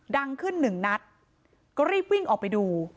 ดังขึ้นหนึ่งนัดก็รีบวิ่งออกไปดู